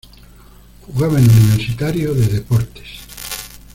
Jugaba en Universitario de Deportes.